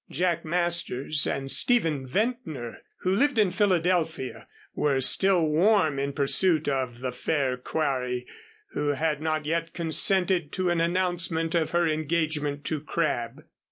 Jack Masters, and Stephen Ventnor, who lived in Philadelphia, were still warm in pursuit of the fair quarry, who had not yet consented to an announcement of her engagement to Crabb.